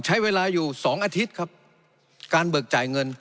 ใช้เวลาอยู่สองอาทิตย์ครับการเบิกจ่ายเงิน